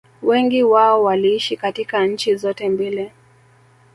wengi wao waliishi katika nchi zote mbili